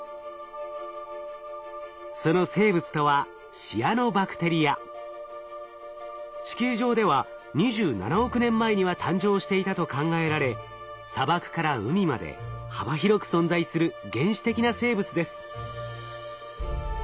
その生物とは地球上では２７億年前には誕生していたと考えられ砂漠から海まで幅広く存在する原始的な生物です。